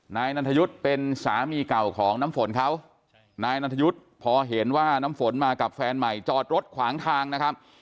นายนันทยุทธ์เป็นสามีเก่าของน้ำฝนเขานายนันทยุทธ์พอเห็นว่าน้ำฝนมากับแฟนใหม่จอดรถขวางทางนะครับ